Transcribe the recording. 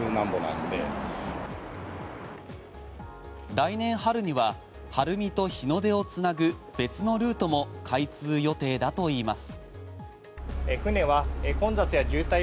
来年春には晴海と日の出を繋ぐ別のルートも開通予定だといいます。